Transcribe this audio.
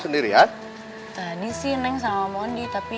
dan haines sama bonds tapi